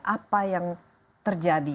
apa yang terjadi